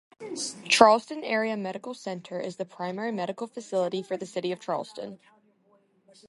Charleston Area Medical Center is the primary medical facility for the city of Charleston.